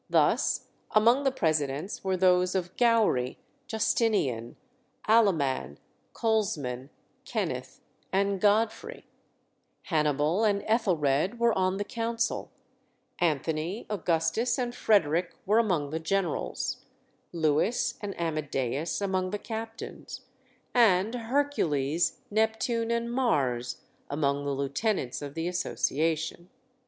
Thus, among the presidents were those of Gowrie, Justinian, Aloman, Colsman, Kenneth, and Godfrey; Hannibal and Ethelred were on the council; Anthony, Augustus, and Frederic were among the generals; Louis and Amadeus among the captains; and Hercules, Neptune, and Mars among the lieutenants of the association.